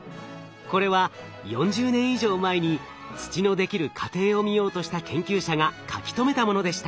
これは４０年以上前に土のできる過程を見ようとした研究者が書き留めたものでした。